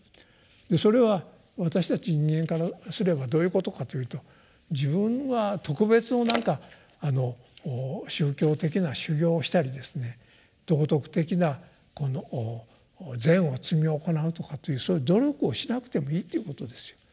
それは私たち人間からすればどういうことかというと自分は特別の何かあの宗教的な修行をしたりですね道徳的なこの禅を積み行なうとかというそういう努力をしなくてもいいということですよ。